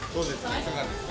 いかがですか？